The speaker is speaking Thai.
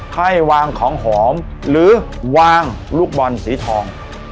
ให้วางของหอมหรือวางลูกบอลสีทอง